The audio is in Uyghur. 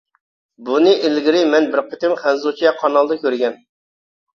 بۇنى ئىلگىرى مەن بىر قېتىم خەنزۇچە قانالدا كۆرگەن.